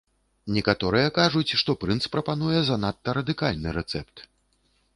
Некаторыя кажуць, што прынц прапануе занадта радыкальны рэцэпт.